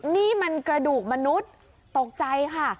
นี่มันกระดูกมนุษย์ตกใจค่ะ